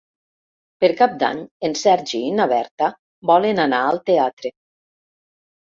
Per Cap d'Any en Sergi i na Berta volen anar al teatre.